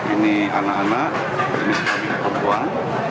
ini anak anak ini sebagai perempuan